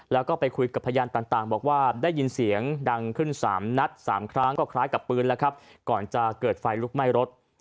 แล้วก็ไปคุยกับพยานต่างบอกว่าได้ยินเสียงดังขึ้น๓นัด๓ครั้งก็คล้ายกับปืนแล้วครับก่อนจะเกิดไฟลุกไหม้รถ